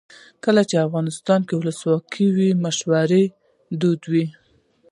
کله چې افغانستان کې ولسواکي وي مشوره دود وي.